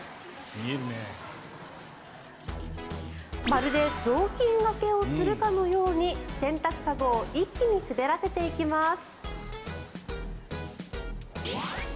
まるで雑巾がけをするかのように洗濯籠を一気に滑らせていきます。